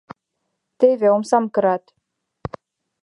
Теве омсам кырат.